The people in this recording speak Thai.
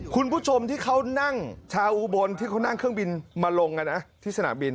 คุณผู้ชมที่เขานั่งชาวอุบลที่เขานั่งเครื่องบินมาลงที่สนามบิน